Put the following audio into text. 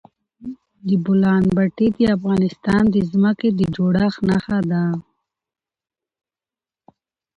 د بولان پټي د افغانستان د ځمکې د جوړښت نښه ده.